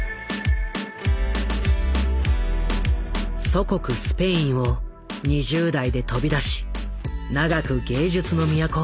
祖国スペインを２０代で飛び出し長く芸術の都